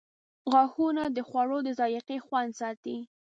• غاښونه د خوړو د ذایقې خوند ساتي.